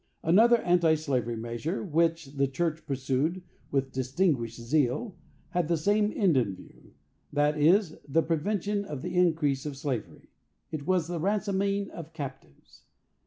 Another anti slavery measure which the church pursued with distinguished zeal had the same end in view, that is, the prevention of the increase of slavery. It was the ransoming of captives.